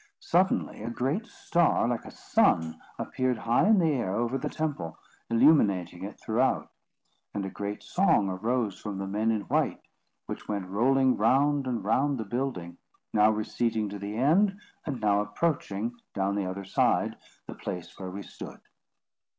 Suddenly a great star, like a sun, appeared high in the air over the temple, illuminating it throughout; and a great song arose from the men in white, which went rolling round and round the building, now receding to the end, and now approaching, down the other side, the place where we stood.